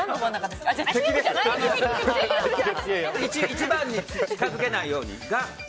１番に近づけないように。